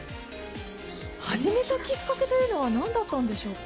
始めたきっかけは何だったんでしょうか？